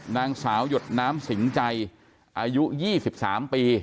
นางสาวหยดน้ำสิงใจอายุ๒๓ปี